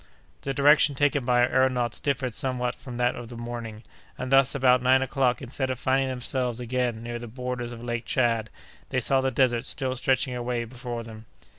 The direction taken by our aëronauts differed somewhat from that of the morning, and thus about nine o'clock, instead of finding themselves again near the borders of Lake Tchad, they saw the desert still stretching away before them.